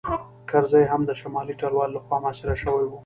کرزی هم د شمالي ټلوالې لخوا محاصره شوی و